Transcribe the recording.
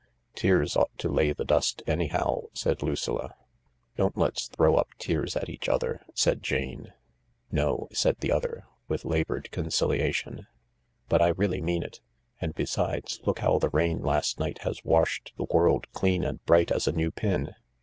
"Tears ought to lay the dust, anyhow," said Lucilla. "Don't let's throw up tears at each other," said Jane. " No/' said the other, with laboured conciliation, " but I really mean it. And besides, look how the rain last night has washed the world clean and bright as a new pin.